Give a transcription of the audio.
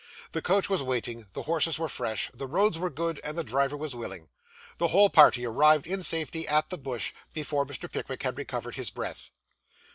The coach was waiting, the horses were fresh, the roads were good, and the driver was willing. The whole party arrived in safety at the Bush before Mr. Pickwick had recovered his breath.